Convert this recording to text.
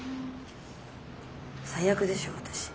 最悪でしょ私。